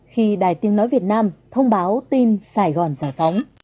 khi đài tiếng nói việt nam thông báo tin sài gòn giải phóng